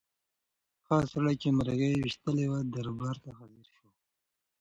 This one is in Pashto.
هغه سړی چې مرغۍ یې ویشتلې وه دربار ته حاضر شو.